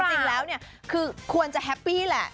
คือจริงแล้วคือควรจะแฮปปี้แหละ